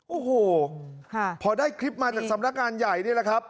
โอ้โหพอได้คลิปมาจากสำนักงานใหญ่นี่แหละครับ